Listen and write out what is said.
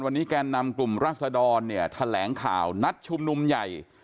วันนี้แกนนำกลุ่มราศดรเนี่ยแถลงข่าวนัดชุมนุมใหญ่